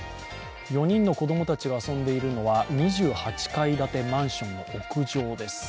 ４人の子供たちが遊んでいるのは２８階建てマンションの屋上です。